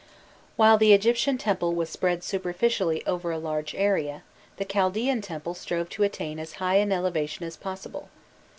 While the Egyptian temple was spread superficially over a large area, the Chalaean temple strove to attain as high an elevation as possible.